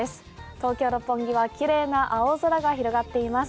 東京・六本木は綺麗な青空が広がっています。